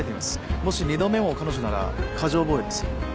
もし２度目も彼女なら過剰防衛です。